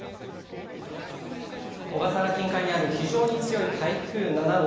小笠原近海にある非常に強い台風７号。